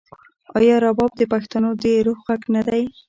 آیا رباب د پښتنو د روح غږ نه دی؟